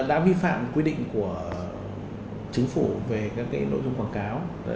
đã vi phạm quy định của chính phủ về các nội dung quảng cáo